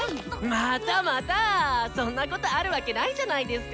またまたあそんなことあるわけないじゃないですか。